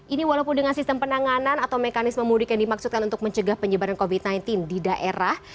ini walaupun dengan sistem penanganan atau mekanisme mudik yang dimaksudkan untuk mencegah penyebaran covid sembilan belas di daerah